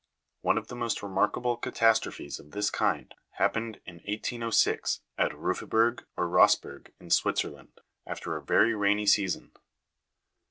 One of the most remarkable catastrophes of this kind happened in 1806 at Ruffiberg or Rossberg in Switzerland, after a very rainy sea son.